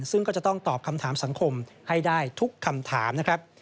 ซึ่งก็จะต้องตอบคำถามสังคมให้ได้ทุกคำถามนะครับ